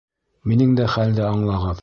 Минең дә хәлде аңлағыҙ.